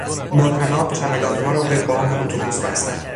با طناب چمدانها را به بام اتوبوس بستم.